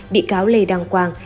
bị cáo lê đăng quang